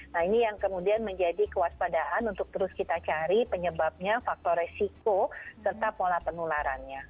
nah ini yang kemudian menjadi kewaspadaan untuk terus kita cari penyebabnya faktor resiko serta pola penularannya